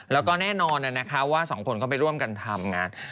แล้วก็แน่นอนนะคะว่าสองคนก็ไปร่วมกันทำงาน